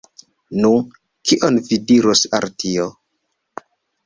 Nu, kion vi diros al tio?